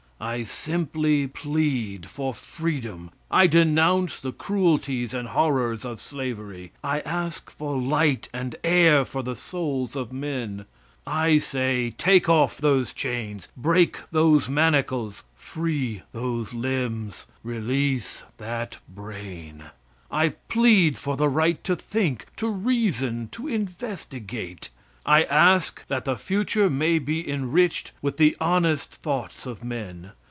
I simply plead for freedom. I denounce the cruelties and horrors of slavery. I ask for light and air for the souls of men. I say, take off those chains break those manacles free those limbs release that brain. I plead for the right to think to reason to investigate. I ask that the future may be enriched with the honest thoughts of men.